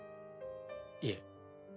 いえ。